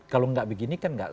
kalau tidak begini kan